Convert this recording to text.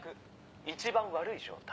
「一番悪い状態」。